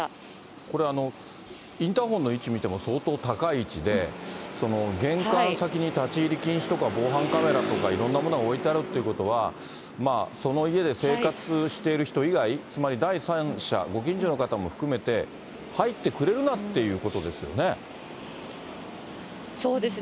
これ、インターフォンの位置見ても相当高い位置で、玄関先に立ち入り禁止とか、防犯カメラとか、いろんなものが置いてあるってことは、その家で生活している人以外、つまり第三者、ご近所の方も含めて、入ってくれるなっていうことですよね。